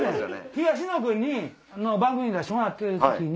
東野君の番組に出してもらってる時に。